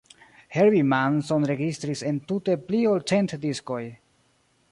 Herbie Mann sonregistris entute por pli ol cent diskoj.